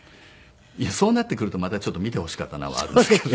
そうなってくるとまたちょっと見てほしかったなはあるんですけど。